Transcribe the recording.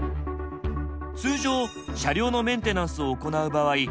通常車両のメンテナンスを行う場合